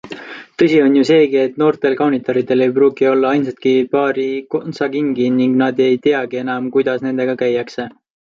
Tõsi on ju seegi, et noortel kaunitaridel ei pruugi olla ainsatki paari kontsakingi ning nad ei teagi enam, kuidas nendega käiakse.